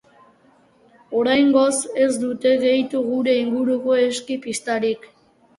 Oraingoz ez dute gehitu gure inguruko eski pistarik.